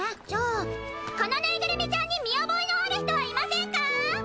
じゃあこのぬいぐるみちゃんに見覚えのある人はいませんか？